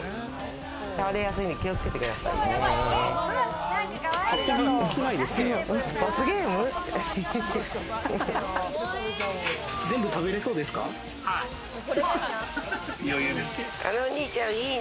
倒れやすいので気をつけてくださいね。